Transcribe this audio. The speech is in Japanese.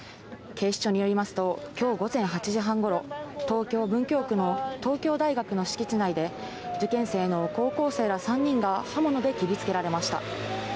警視庁によりますと今日午前８時半頃、東京・文京区の東京大学の敷地内で受験生の高校生ら３人が刃物で切りつけられました。